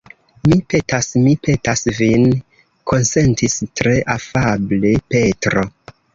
Mi petas, mi petas vin konsentis tre afable Petro.